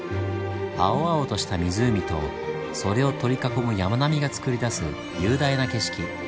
青々とした湖とそれを取り囲む山並みがつくり出す雄大な景色。